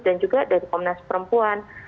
dan juga dari komunasi perempuan